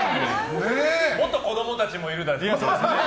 元子供たちもいるだろうしね。